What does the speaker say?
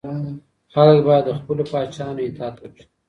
خلګ باید د خپلو پاچاهانو اطاعت وکړي.